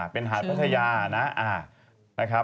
เป็นหาดพัทยานะ